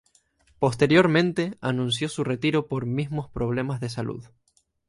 Posteriormente anunció su retiro por mismos problemas de salud.